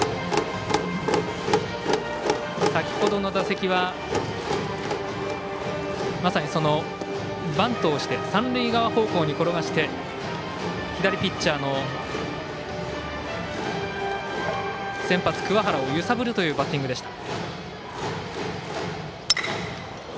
先ほどの打席はまさに、バントをして三塁側方向に転がして、左ピッチャーの先発、桑原を揺さぶるというバッティングでした。